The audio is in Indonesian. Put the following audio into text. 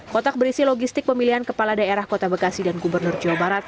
kotak berisi logistik pemilihan kepala daerah kota bekasi dan gubernur jawa barat